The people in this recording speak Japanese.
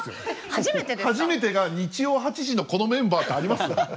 初めてが日曜８時のこのメンバーってあります？